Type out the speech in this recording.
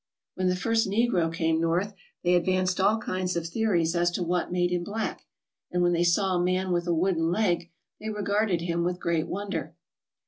When the first negro came north they advanced all kinds of theories as to what made him black, and when they saw a man with a wooden leg they regarded him with great wonder.